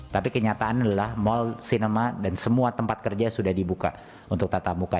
tapi kenyataan adalah mall sinema dan semua tempat kerja sudah dibuka untuk tatap muka